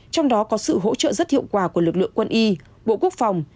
trong đó có sự hỗ trợ rất hiệu quả của lực lượng quân y bộ quốc phòng